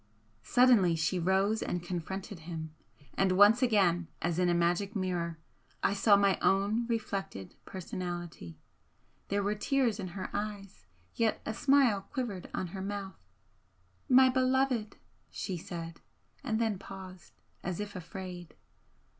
Suddenly she rose and confronted him and once again, as in a magic mirror, I saw MY OWN REFLECTED PERSONALITY. There were tears in her eyes, yet a smile quivered on her mouth. "My beloved!" she said and then paused, as if afraid.